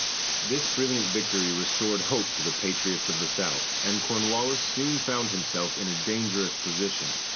This brilliant victory restored hope to the patriots of the South, and Cornwallis soon found himself in a dangerous position.